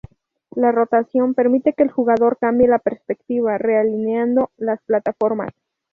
La rotación permite que el jugador cambie la perspectiva re-alineando las plataformas.